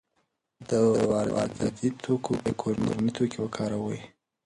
د وارداتي توکو په ځای کورني توکي وکاروئ.